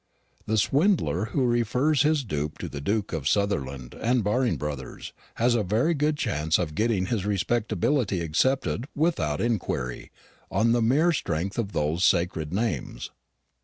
The swindler who refers his dupe to the Duke of Sutherland and Baring Brothers has a very good chance of getting his respectability accepted without inquiry, on the mere strength of those sacred names.